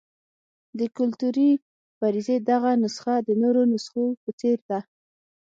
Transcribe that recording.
د کلتوري فرضیې دغه نسخه د نورو نسخو په څېر ده.